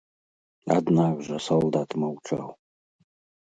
Аднак жа салдат маўчаў.